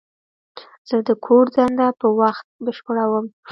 زه د کور دنده په وخت بشپړوم.